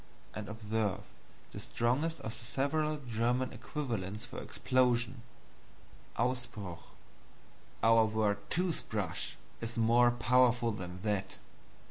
And observe the strongest of the several German equivalents for explosion AUSBRUCH. Our word Toothbrush is more powerful than that.